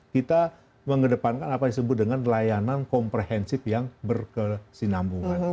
kita mengedepankan apa yang disebut dengan layanan komprehensif yang berkesinambungan